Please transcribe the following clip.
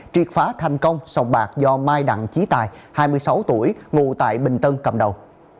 triệt phá thành công sòng bạc do mai đặng trí tài hai mươi sáu tuổi ngụ tại bình tân cầm đầu